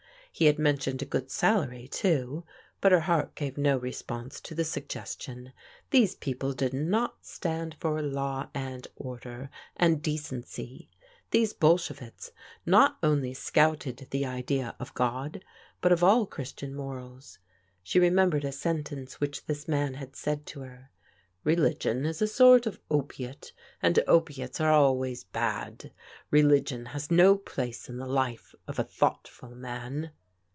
He had mentioned a good salary, too, but her heart gave no response to the suggestion. These people did not stand for law and order, and de^ THE HORROR OF THE AWAKENING 247 cency. These Bolshevists not only scouted the idea of God, but of all Christian morals. She remembered a sentence which this man had said to her: " Religion is a sort of opiate and opiates are always bad. Religion has no place in the life of a thoughtful man.'